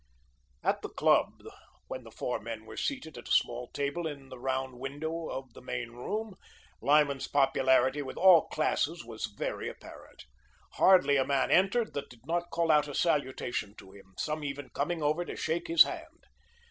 At the club, when the four men were seated at a small table in the round window of the main room, Lyman's popularity with all classes was very apparent. Hardly a man entered that did not call out a salutation to him, some even coming over to shake his hand.